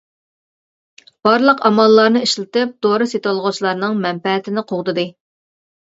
بارلىق ئاماللارنى ئىشلىتىپ دورا سېتىۋالغۇچىلارنىڭ مەنپەئەتىنى قوغدىدى.